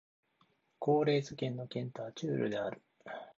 コレーズ県の県都はチュールである